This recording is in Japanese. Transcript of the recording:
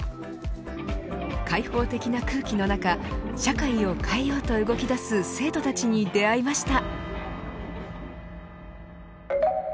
開放的な空気の中社会を変えようと動きだす生徒たちに出会いました。